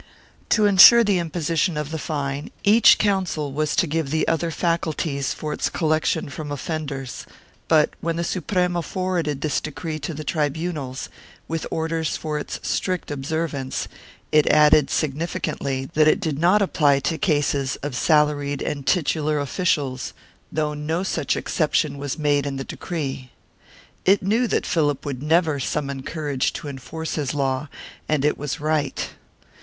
To ensure the imposition of the fine, each Council was to give the other faculties for its collection from offenders, but, when the Suprema forwarded this decree to the tribunals, with orders for its strict observance, it added significantly that it did not apply to cases of salaried and titular officials, though no such exception was made in the decree. It knew that Philip would never summon courage to enforce his law and it was right.